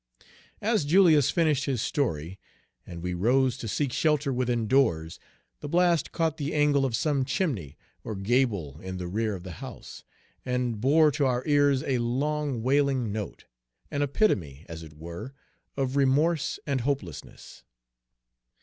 As Julius finished his story and we rose to seek shelter within doors, the blast caught the angle of some chimney or gable in the rear of the house, and bore to our ears a long, Page 193 wailing note, an epitome, as it were, of remorse and hopelessness.